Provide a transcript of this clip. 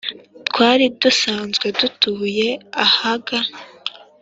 Twari dusanzwe dutuye ahaga